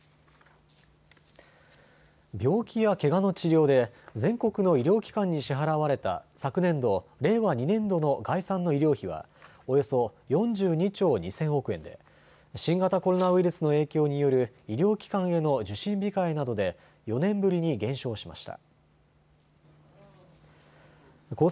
病気やけがの治療で全国の医療機関に支払われた昨年度、令和２年度の概算の医療費はおよそ４２兆２０００億円で新型コロナウイルスの影響による医療機関への受診控えなどで４年ぶりに減少しました。